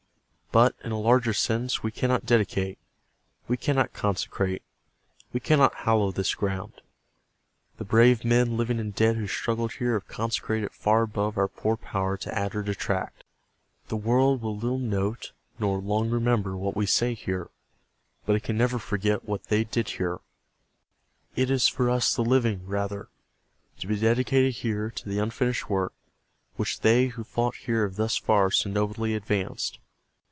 But, in a larger sense, we cannot dedicate. . .we cannot consecrate. .. we cannot hallow this ground. The brave men, living and dead, who struggled here have consecrated it, far above our poor power to add or detract. The world will little note, nor long remember, what we say here, but it can never forget what they did here. It is for us the living, rather, to be dedicated here to the unfinished work which they who fought here have thus far so nobly advanced.